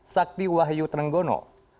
sakti wahyu trenggono